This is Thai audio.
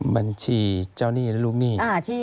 บัญชีเจ้าหนี้และลูกหนี้